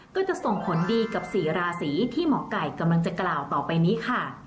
ก็จะส่งผลดีกับ๔ราศีที่หมอไก่กำลังจะกล่าวต่อไปนี้ค่ะ